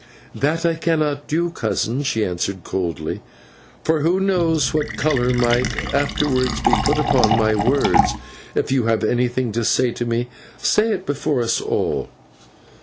"That I cannot do, cousin," she answered coldly, "for who knows what colour might afterwards be put upon my words. If you have anything to say to me, say it before us all."